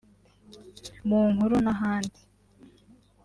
mu nkuru n’ahandi